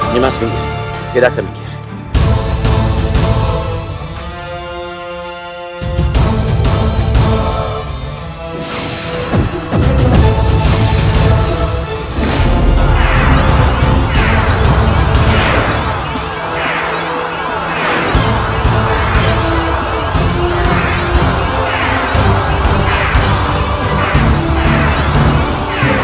nimas berusaha kita akan berusaha